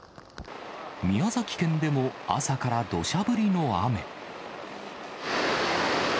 宮崎県でも朝からどしゃ降りの雨。